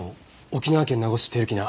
沖縄県名護市照喜名。